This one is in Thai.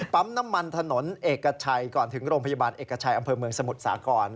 ปั๊มน้ำมันถนนเอกชัยก่อนถึงโรงพยาบาลเอกชัยอำเภอเมืองสมุทรสาคร